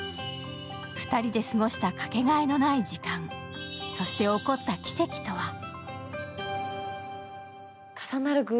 ２人で過ごしたかけがえのない時間そして起こった奇跡とは？